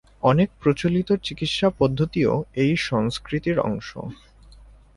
অনেক প্রচলিত চিকিৎসা পদ্ধতিও এই সংস্কৃতির অংশ।